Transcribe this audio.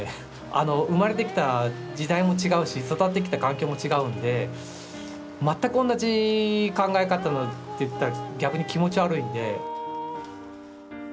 あの生まれてきた時代も違うし育ってきた環境も違うんで全く同じ考え方っていったら逆に気持ち悪いんで。